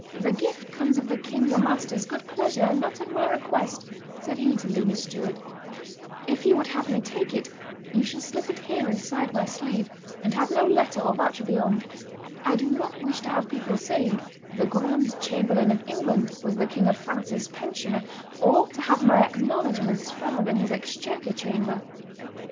"This gift comes of the king your master's good pleasure, and not at my request," said he to Louis's steward; "if you would have me take it, you shall slip it here inside my sleeve, and have no letter or voucher beyond; I do not wish to have people saying, 'The grand chamberlain of England was the King of France's pensioner,' or to have my acknowledgments found in his exchequer chamber."